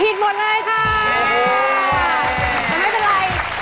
ผิดหมดเลยค่ะ